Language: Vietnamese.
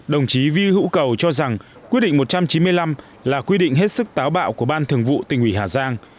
đồng chí vi hữu cầu cho rằng quyết định một trăm chín mươi năm là quy định hết sức táo bạo của ban thường vụ tỉnh ủy hà giang